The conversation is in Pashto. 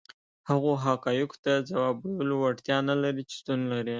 هغو حقایقو ته ځواب ویلو وړتیا نه لري چې شتون لري.